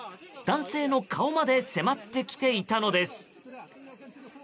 男性の顔まで迫ってきていたのです。